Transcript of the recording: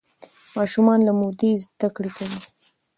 ماشومان له مودې زده کړه کوي.